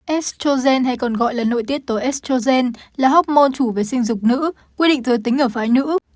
estrogen hay còn gọi là nội tiết tối estrogen là hormone chủ về sinh dục nữ quy định dưới tính ở phái nữ